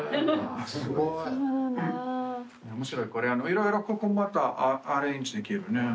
面白いこれ色々ここまたアレンジできるね。